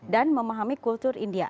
dan memahami kultur india